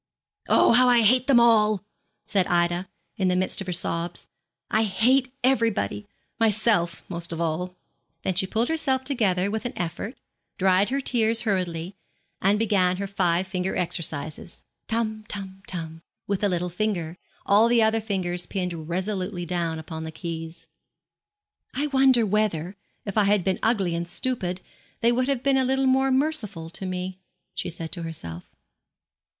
'Oh, how I hate them all!' said Ida, in the midst of her sobs. 'I hate everybody, myself most of all!' Then she pulled herself together with an effort, dried her tears hurriedly, and began her five finger exercises, tum, tum, tum, with the little finger, all the other fingers pinned resolutely down upon the keys. 'I wonder whether, if I had been ugly and stupid, they would have been a little more merciful to me?' she said to herself.